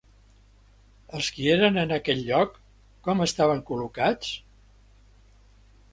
Els qui eren en aquell lloc, com estaven col·locats?